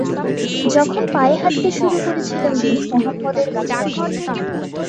যখন পায়ে হাঁটতে শুরু করেছিলেন তিনি মুহাম্মদ এর কাছে আসতেন।